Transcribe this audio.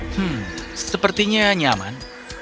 hmm sepertinya nyaman